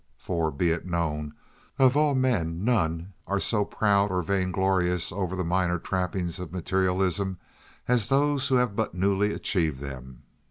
For, be it known, of all men none are so proud or vainglorious over the minor trappings of materialism as those who have but newly achieved them.